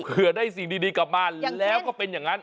ได้สิ่งดีกลับมาแล้วก็เป็นอย่างนั้น